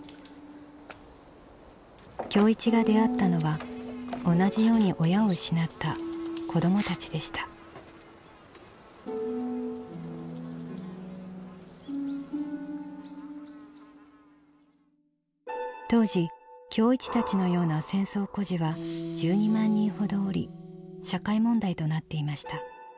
今日一が出会ったのは同じように親を失った子どもたちでした当時今日一たちのような戦争孤児は１２万人ほどおり社会問題となっていました。